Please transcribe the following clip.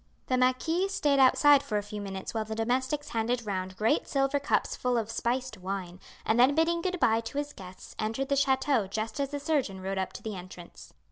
The marquis stayed outside for a few minutes while the domestics handed round great silver cups full of spiced wine, and then bidding good bye to his guests entered the chateau just as the surgeon rode up to the entrance.